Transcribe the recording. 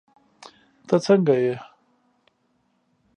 تہ سنګه یی